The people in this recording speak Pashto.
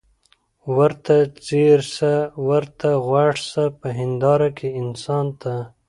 ورته ځیر سه ورته غوږ سه په هینداره کي انسان ته